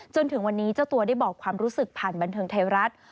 จนถึงวันนี้เจ้าตัวได้บอกความรู้สึกผ่านบันเทิงไทยรัฐ